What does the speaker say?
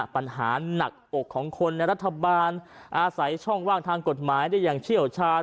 ปัญหาหนักอกของคนในรัฐบาลอาศัยช่องว่างทางกฎหมายได้อย่างเชี่ยวชาญ